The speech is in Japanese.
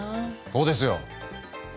そうですよ。